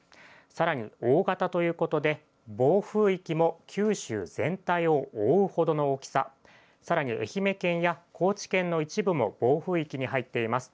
さらに、大型ということで、暴風域も九州全体を覆うほどの大きさ、さらに愛媛県や高知県の一部も暴風域に入っています。